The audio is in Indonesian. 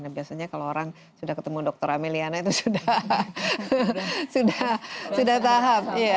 biasanya kalau orang sudah ketemu dokter ameliana itu sudah tahap